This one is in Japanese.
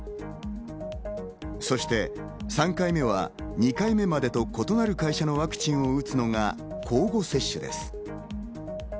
そして３回目は２回目までと異なる会社のワクチンを打つのが交互接種です。